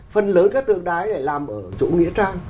phần lớn các tượng đài làm ở chỗ nghĩa trang